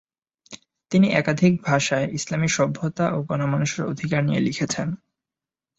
তিনি একাধিক ভাষায় ইসলামি সভ্যতা ও গণমানুষের অধিকার নিয়ে লিখেছেন।